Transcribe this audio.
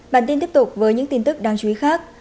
bản tin tiếp tục với những tin tức đáng chú ý khác